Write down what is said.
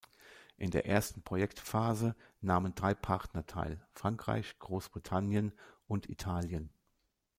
In der ersten Projektphase nahmen drei Partner teil: Frankreich, Großbritannien und Italien.